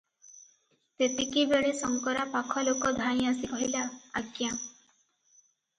ତେତିକିବେଳେ ଶଙ୍କରା ପାଖଲୋକ ଧାଇଁ ଆସି କହିଲା, "ଆଜ୍ଞା!